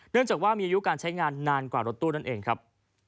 จากว่ามีอายุการใช้งานนานกว่ารถตู้นั่นเองครับ